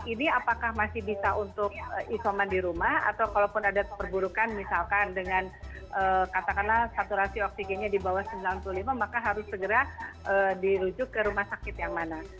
ini apakah masih bisa untuk isoman di rumah atau kalaupun ada perburukan misalkan dengan katakanlah saturasi oksigennya di bawah sembilan puluh lima maka harus segera dirujuk ke rumah sakit yang mana